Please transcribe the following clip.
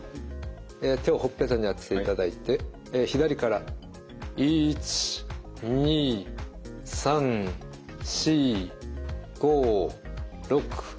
え手をほっぺたに当てていただいて左から１２３４５６７８９１０。